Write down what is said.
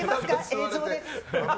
映像です。